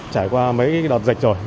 trải qua mấy đợt dịch rồi